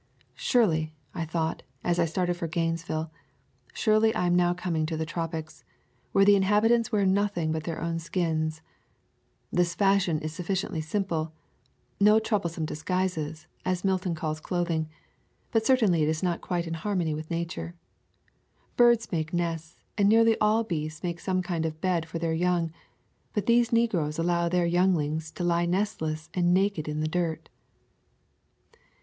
Surely, thought I, as I started for Gaines ville, surely I am now coming to the tropics, where the inhabitants wear nothing but their own skins. This fashion is sufficiently simple, — "no troublesome disguises," as Milton calls clothing, — but it certainly is not quite in har mony with Nature. Birds make nests and nearly all beasts make some kind of bed for their young; but these negroes allow their younglings to lie nestless and naked in the dirt.